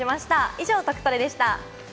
以上、トクトレでした。